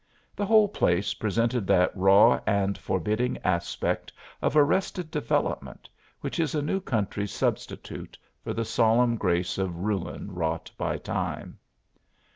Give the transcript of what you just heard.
The whole place presented that raw and forbidding aspect of arrested development which is a new country's substitute for the solemn grace of ruin wrought by time.